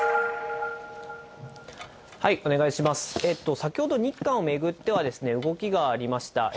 先ほど日韓を巡っては、動きがありました。